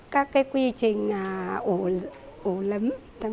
các cái quy trình ổ lấm